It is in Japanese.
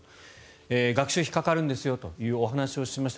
学習費、かかるんですよというお話をしました。